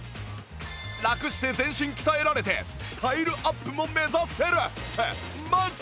ラクして全身鍛えられてスタイルアップも目指せるってマジ？